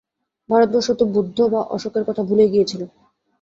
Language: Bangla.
ভারতবর্ষ তো বুদ্ধ বা অশোকের কথা ভুলেই গিয়েছিল।